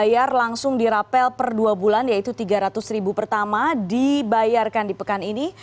bayar langsung dirapel per dua bulan yaitu rp tiga ratus ribu pertama dibayarkan di pekan ini